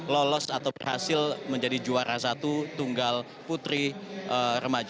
lolos atau berhasil menjadi juara satu tunggal putri remaja